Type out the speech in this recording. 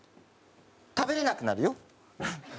食べられなくなるよ？